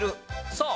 そう！